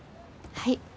はい。